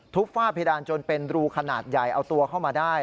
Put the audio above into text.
ฝ้าเพดานจนเป็นรูขนาดใหญ่เอาตัวเข้ามาได้